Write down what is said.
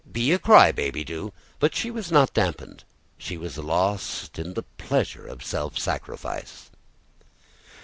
"Be a cry baby, do." But she was not damped, she was lost in the pleasure of self sacrifice.